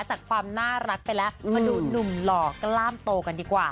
จากความน่ารักไปแล้วมาดูหนุ่มหล่อกล้ามโตกันดีกว่า